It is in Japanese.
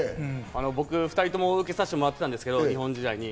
僕２人とも受けさせてもらってたんですけど、日本時代に。